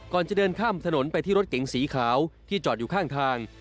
ก่อนจะเดินข้ามถนนไปที่รถเก๋งสีขาวที่จอดอยู่ข้างทาง